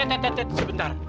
eh eh eh eh sebentar